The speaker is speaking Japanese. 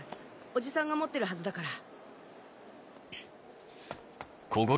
おじさんが持ってるはずだから。